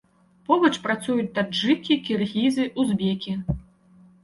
Побач працуюць таджыкі, кіргізы, узбекі.